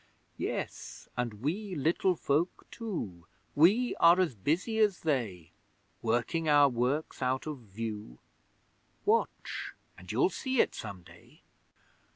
Yes and we Little Folk too, We are as busy as they Working our works out of view Watch, and you'll see it some day!